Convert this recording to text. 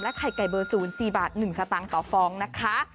ไข่ไก่เบอร์๐๔บาท๑สตางค์ต่อฟองนะคะ